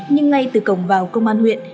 nhưng ngay từ cổng vào công an huyện